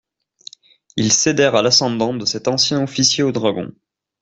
Ils cédèrent à l'ascendant de cet ancien officier aux dragons.